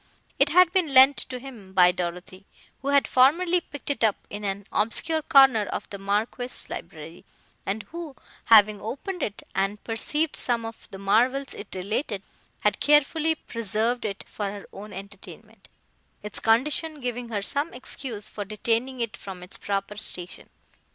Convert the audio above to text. It had been lent to him by Dorothée, who had formerly picked it up in an obscure corner of the Marquis's library, and who, having opened it and perceived some of the marvels it related, had carefully preserved it for her own entertainment, its condition giving her some excuse for detaining it from its proper station.